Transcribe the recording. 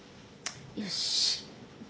よし！